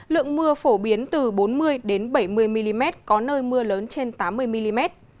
lượng mưa phổ biến từ bốn mươi bảy mươi mm có nơi mưa lớn trên tám mươi mm